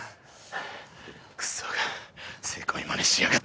クソがセコいまねしやがって。